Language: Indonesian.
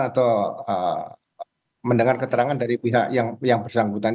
atau mendengar keterangan dari pihak yang bersangkutan